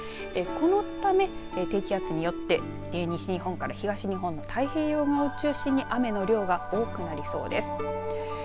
このため低気圧によって西日本から東日本の太平洋側を中心に雨の量が多くなりそうです。